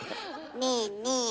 ねえねえ